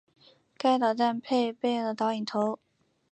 该导弹配备了导引头。